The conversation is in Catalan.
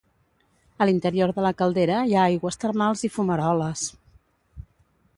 A l'interior de la caldera hi ha aigües termals i fumaroles.